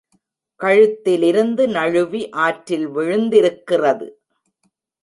கழுத்திலிருந்து நழுவி ஆற்றில் விழுந்திருக்கிறது.